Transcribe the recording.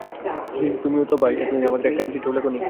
দিদি, তুমিও তো, ভাই, এতদিন আমাদের একখানিও চিঠি লেখ নি?